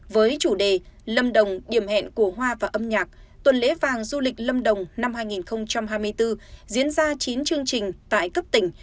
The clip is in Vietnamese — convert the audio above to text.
với chủ đề lâm đồng điểm hẹn của hoa và âm nhạc tuần lễ vàng du lịch lâm đồng năm hai nghìn hai mươi bốn diễn ra chín chương trình tại cấp tỉnh